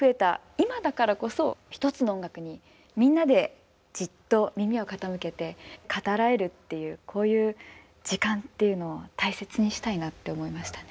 今だからこそ１つの音楽にみんなでじっと耳を傾けて語らえるっていうこういう時間っていうのを大切にしたいなって思いましたね。